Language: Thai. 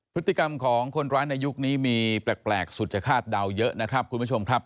พฤติกรรมของคนร้ายในยุคนี้มีแปลกสุดจะคาดเดาเยอะนะครับคุณผู้ชมครับ